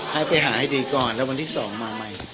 ให้ไปหาให้ดีก่อนแล้ววันที่๒มาใหม่